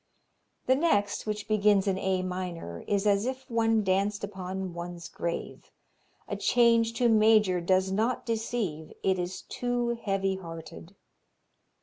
The next, which begins in A minor, is as if one danced upon one's grave; a change to major does not deceive, it is too heavy hearted.